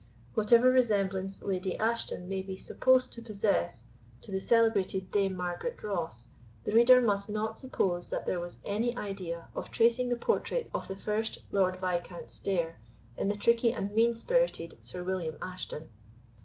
Whatever resemblance Lady Ashton may be supposed to possess to the celebrated Dame Margaret Ross, the reader must not suppose that there was any idea of tracing the portrait of the first Lord Viscount Stair in the tricky and mean spirited Sir William Ashton.